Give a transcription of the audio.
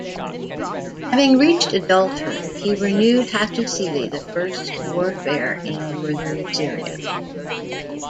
Having reached adulthood, he renewed Hattusili the First's warfare in northern Syria.